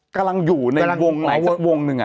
กำลังอยู่ในวงไหนสักวงนึงอะ